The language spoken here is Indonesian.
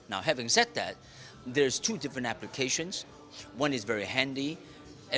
nah dengan mengatakan itu ada dua aplikasi yang berbeda